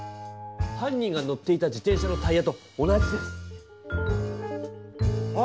犯人が乗っていた自転車のタイヤと同じです！あっ！